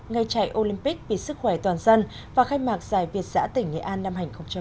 ngày chạy olympic vì sức khỏe toàn dân và khai mạc giải việt giã tỉnh nghệ an năm hai nghìn hai mươi